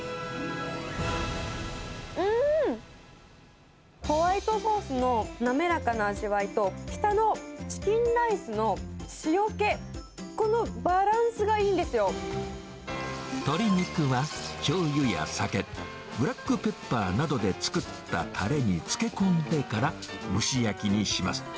うん！ホワイトソースの滑らかな味わいと、下のチキンライスの塩気、鶏肉はしょうゆや酒、ブラックペッパーなどで作ったたれに漬け込んでから、蒸し焼きにします。